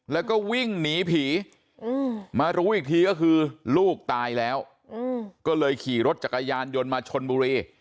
แล้วก็วิ่งหนีผีมารู้อีกทีก็คือลูกตายแล้วก็เลยขี่รถจักรยานยนต์มาชนบุรี